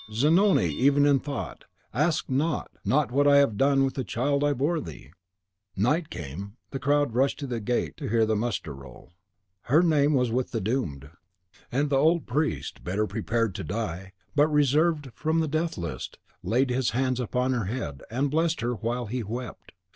Zanoni, even in thought, ask not ask not what I have done with the child I bore thee!" Night came; the crowd rushed to the grate to hear the muster roll. (Called, in the mocking jargon of the day, "The Evening Gazette.") Her name was with the doomed. And the old priest, better prepared to die, but reserved from the death list, laid his hands on her head, and blessed her while he wept.